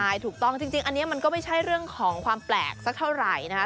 ใช่ถูกต้องจริงอันนี้มันก็ไม่ใช่เรื่องของความแปลกสักเท่าไหร่นะคะ